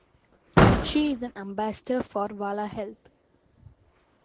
She is an ambassador for Vala Health.